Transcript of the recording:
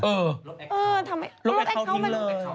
เออลบเพลิงเขามา